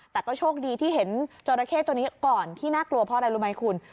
แต่ก็โชคดีที่เห็นจราเข้ตัวนี้ก่อนที่น่ากลัวเพราะอะไรรู้ไหมคุณ